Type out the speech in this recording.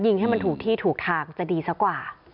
ยิงให้มันถูกที่ถูกทางจะดีซะกว่า